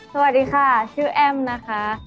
สวัสดีค่ะชื่อแอ้มนะคะ